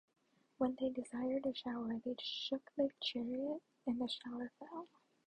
When they desired a shower, they shook the chariot and the shower fell.